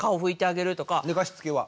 寝かしつけは？